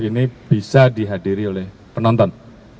ini bisa dihadiri oleh penonton